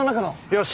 よし！